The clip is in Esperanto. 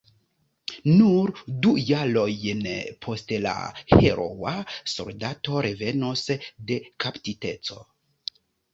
Nur du jarojn poste la heroa soldato revenos de kaptiteco.